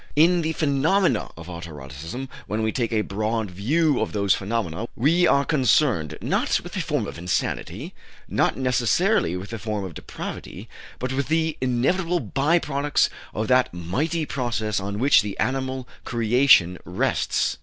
In the phenomena of auto erotism, when we take a broad view of those phenomena, we are concerned, not with a form of insanity, not necessarily with a form of depravity, but with the inevitable by products of that mighty process on which the animal creation rests.